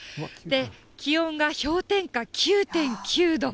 気温が氷点下９．９度。